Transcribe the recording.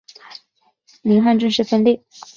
宁汉正式分裂。